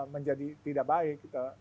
menjadi tidak baik